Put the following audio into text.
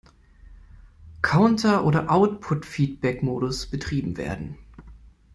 Counter- oder Output-Feedback-Modus betrieben werden.